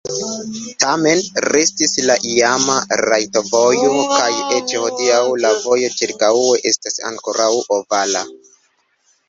Tamen restis la iama rajdovojo kaj eĉ hodiaŭ la vojo ĉirkaŭe estas ankoraŭ ovala.